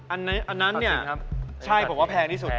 อันนั้นเนี่ยใช่ผมว่าแพงที่สุด